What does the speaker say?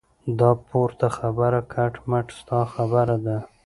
دا پورته خبره کټ مټ ستا خبره ده.